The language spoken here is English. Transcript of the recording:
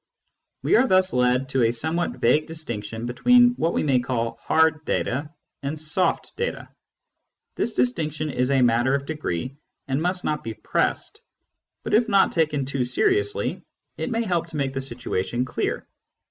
We are thus led to a somewhat vague distinction between what we may call " hard " data and " soft " data. This distinction is a matter of degree, and must not be pressed ; but if not taken too seriously it may help to make the situation clear.